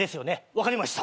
分かりました。